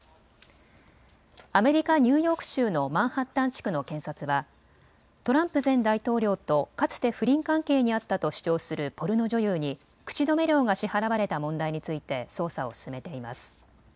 アメリカ・ニューヨーク州のマンハッタン地区の検察はトランプ前大統領とかつて不倫関係にあったと主張するポルノ女優に口止め料が支払われた問題について捜査を進めています。